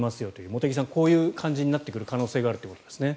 茂木さん、こういう感じになってくる可能性があるということですね。